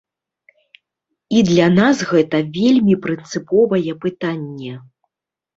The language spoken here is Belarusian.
І для нас гэта вельмі прынцыповае пытанне.